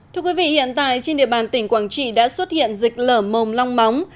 thưa quý vị hiện tại trên địa bàn tỉnh quảng trị đã xuất hiện dịch lở mồm long móng